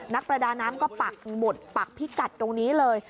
นักประดาน้ำก็ปักหมุดปักพิกัดตรงนี้เลย